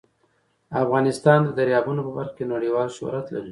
افغانستان د دریابونه په برخه کې نړیوال شهرت لري.